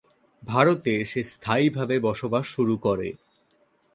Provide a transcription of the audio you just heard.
ভারতে সে স্থায়ীভাবে বসবাস শুরু করে।